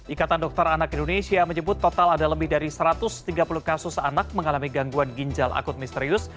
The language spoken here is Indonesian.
ikatan dokter anak indonesia menyebut total ada lebih dari satu ratus tiga puluh kasus anak mengalami gangguan ginjal akut misterius